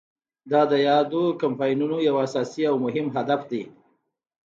دا د یادو کمپاینونو یو اساسي او مهم هدف دی.